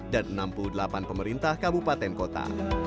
dan enam puluh delapan pemerintah kabupaten kota